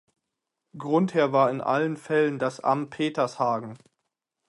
Grundherr war in allen Fällen das Amt Petershagen.